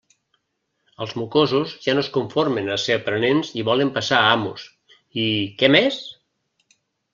Els mocosos ja no es conformen a ser aprenents i volen passar a amos; i... què més?